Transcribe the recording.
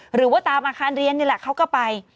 หรือว่าตามอาคารเรียนนี่แหละเขาก็ไป